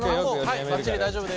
はいばっちり大丈夫です。